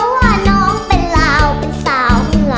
โอนว๊าโน้อห์น้องเป็นลวงสาว